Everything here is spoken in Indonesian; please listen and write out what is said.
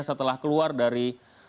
setelah keluar dari